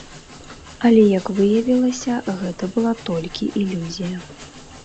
Але як выявілася, гэта была толькі ілюзія.